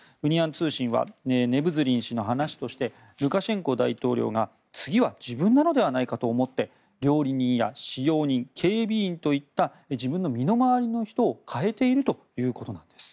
通信はネブズリン氏の話としてルカシェンコ大統領が次は自分なのではないかと思って料理人や使用人、警備員といった自分の身の回りの人を代えているということなんです。